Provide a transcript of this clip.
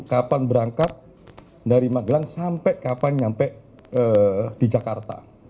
kapan berangkat dari magelang sampai kapan sampai di jakarta